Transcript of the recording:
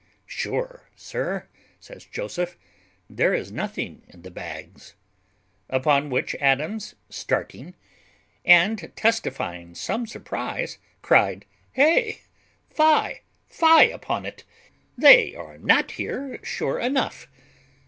"Sure, sir," says Joseph, "there is nothing in the bags." Upon which Adams, starting, and testifying some surprize, cried, "Hey! fie, fie upon it! they are not here sure enough.